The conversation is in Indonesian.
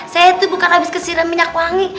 saya tuh bukan abis kesiram minyak wangi